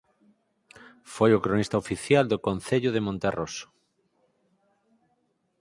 Foi o cronista oficial do concello de Monterroso.